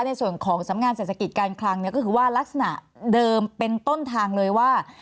ในส่วนของสำงานเศรษฐกิจการคลังก็คือว่าลักษณะเดิมเป็นต้นทางเลยว่า